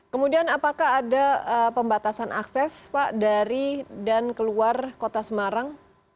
kemudian apakah ada pembatasan akses pak dari dan keluar kota semarang